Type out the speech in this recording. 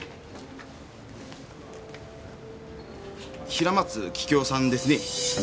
平松桔梗さんですね？